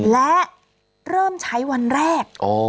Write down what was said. และเริ่มใช้วันแรก